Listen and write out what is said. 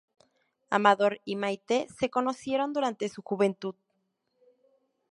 Amador y Maite se conocieron durante su juventud.